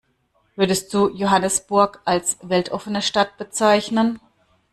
Würdest du Johannesburg als weltoffene Stadt bezeichnen?